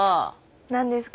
何ですか？